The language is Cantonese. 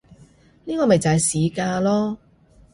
呢個咪就係市價囉